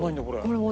これ。